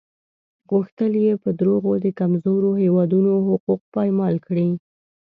غوښتل یې په دروغو د کمزورو هېوادونو حقوق پایمال کړي.